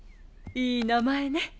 いい名前ね。